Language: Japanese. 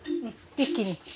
一気に。